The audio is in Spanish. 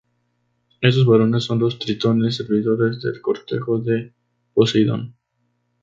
Estos varones son los tritones, servidores del cortejo de Poseidón.